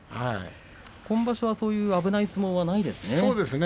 今場所はそういう危ない相撲はないですね。